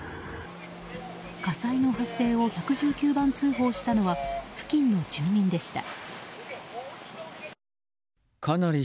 火災発生を１１９番通報したのは付近の住民でした。